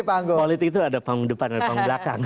politik itu ada panggung depan ada panggung belakang